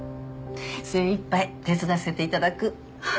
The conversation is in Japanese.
精いっぱい手伝わせていただく。